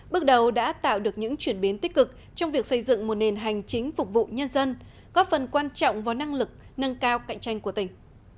bước đầu đã tạo được những chuyển biến tích cực trong việc xây dựng một nền hành chính phục vụ nhân dân góp phần quan trọng vào năng lực nâng cao cạnh tranh của tỉnh